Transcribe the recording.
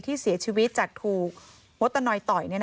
ที่เสียชีวิตจากถูกมดตะนอยต่อย